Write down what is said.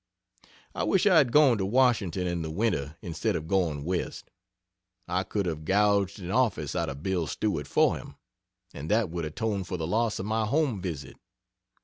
I wish I had gone to Washington in the winter instead of going West. I could have gouged an office out of Bill Stewart for him, and that would atone for the loss of my home visit.